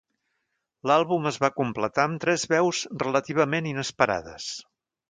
L'àlbum es va completar amb tres veus relativament inesperades.